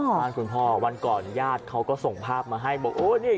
บ้านคุณพ่อวันก่อนญาติเขาก็ส่งภาพมาให้บอกโอ้นี่